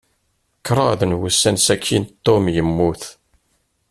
Kṛaḍ n wussan sakin, Tom yemmut.